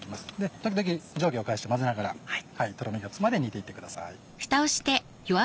時々上下を返して混ぜながらとろみがつくまで煮ていってください。